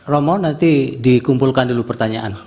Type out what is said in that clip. romo nanti dikumpulkan dulu pertanyaan